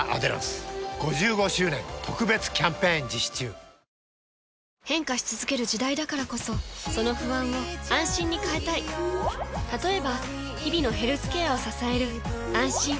今日も暑いぞ「金麦」がうまいぞふぉ帰れば「金麦」変化し続ける時代だからこそその不安を「あんしん」に変えたい例えば日々のヘルスケアを支える「あんしん」